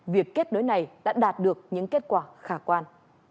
việc kết nối này đã đạt được những kết quả khả quan